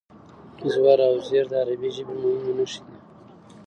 زور او زېر د عربي ژبې مهمې نښې دي.